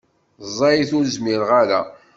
Ẓẓayet ur s-zmireɣ ara.